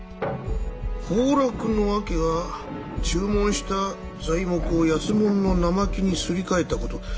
崩落の訳は注文した材木を安物の生木にすり替えた事。